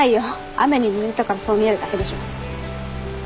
雨にぬれたからそう見えるだけでしょ。